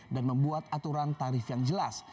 dan membuat aturan tarif yang jelas